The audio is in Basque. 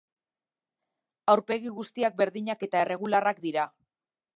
Aurpegi guztiak berdinak eta erregularrak dira.